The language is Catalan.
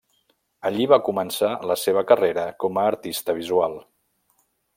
Allí va començar la seva carrera com a artista visual.